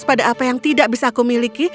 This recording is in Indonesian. pada apa yang tidak bisa aku miliki